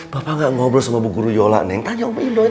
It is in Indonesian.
bapak gak ngobrol sama bu guru yola neng tanya om indro tanya om aceh neng